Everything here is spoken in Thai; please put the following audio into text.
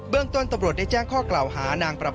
เบื้องต้นตบรสได้จ้างข้อเกราห์หานางประเบิด